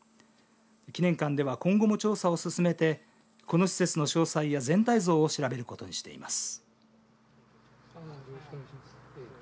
記念館では今後も調査を進めてこの施設の詳細や全体像を調べることにしています。